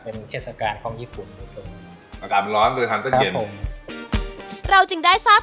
เป็นเทศกาลของญี่ปุ่นอากาศมันร้อนไปทานเส้นเย็นครับผมเราจึงได้ซับ